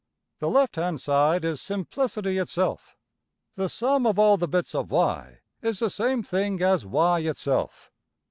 The left hand side is simplicity itself. The sum of all the bits of~$y$ is the same thing as $y$~itself.